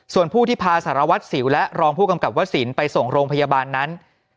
ส่วนผู้ที่พาสารวัตรสิวและรองผู้กำกับวสินไปส่งโรงพยาบาลนั้น